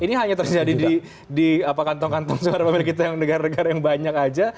ini hanya terjadi di kantong kantong suara pemilih kita yang negara negara yang banyak aja